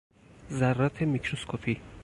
ذرات میکروسکوپی